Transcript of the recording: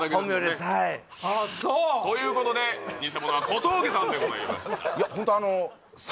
そうということでニセモノは小峠さんでございました